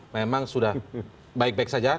memang sudah baik baik saja